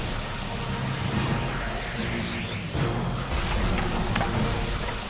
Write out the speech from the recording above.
aku butuh hidup saya sendiri seyang lira langit ke dalam udara